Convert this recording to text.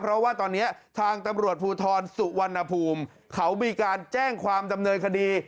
เพราะว่าตอนนี้ทางตำรวจภูทรสุวรรณภูมิเขามีการแจ้งความดำเนินคดี